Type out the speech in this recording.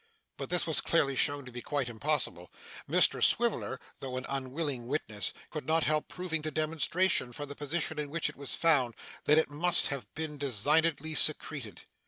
But this was clearly shown to be quite impossible. Mr Swiveller, though an unwilling witness, could not help proving to demonstration, from the position in which it was found, that it must have been designedly secreted.